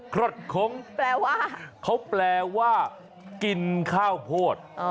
คดคงแปลว่าเขาแปลว่ากินข้าวโพด